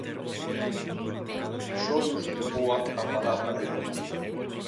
Polo episodio sobrevoa a palabra heroe.